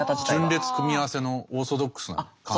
順列組み合わせのオーソドックスな考え方。